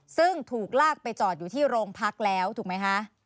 ซึ่งถูกลากไปจอดอยู่ที่โรงพักแล้วถูกไหมคะ